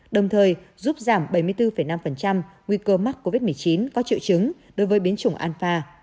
đồng thời giúp giảm bảy mươi bốn năm nguy cơ mắc covid một mươi chín có triệu chứng đối với biến chủng an